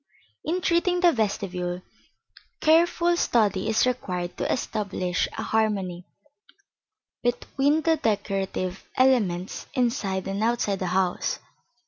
In treating the vestibule, careful study is required to establish a harmony between the decorative elements inside and outside the house.